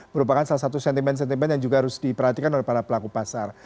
merupakan salah satu sentimen sentimen yang juga harus diperhatikan oleh para pelaku pasar